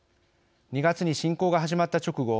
２月に侵攻が始まった直後